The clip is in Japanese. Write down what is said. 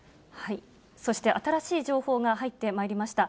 そして新しい情報が入ってまいりました。